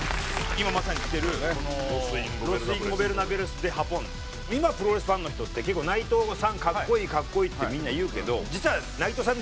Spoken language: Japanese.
今プロレスファンの人って結構内藤さん格好いい格好いいってみんな言うけど実は内藤さん